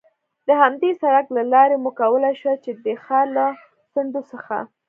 د همدې سړک له لارې مو کولای شوای، چې د ښار له څنډو څخه.